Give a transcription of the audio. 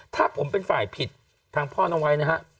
ถ้าผมเป็นฝ่ายผิดทางพ่อน้องไว้นะฮะ